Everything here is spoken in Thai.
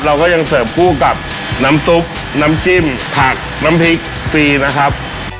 เราก็ยังเสิร์ฟคู่กับน้ำซุปน้ำจิ้มผักน้ำพริกฟรีนะครับ